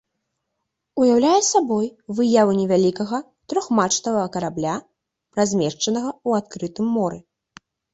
Уяўляе сабой выяву невялікага трохмачтавага карабля, размешчанага ў адкрытым моры.